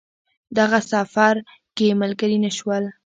دغه سفر کې ملګري نه شول.